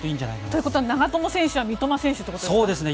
ということは長友選手や三笘選手ということですか。